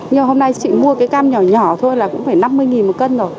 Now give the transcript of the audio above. nhưng hôm nay chị mua cái cam nhỏ nhỏ thôi là cũng phải năm mươi một cân rồi